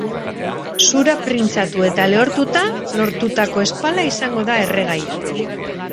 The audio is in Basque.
Zura printzatu eta lehortuta lortutako ezpala izango da erregaia.